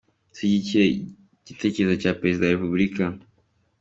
Dushyigikiye igiterezo cya Perezida wa Repubulika.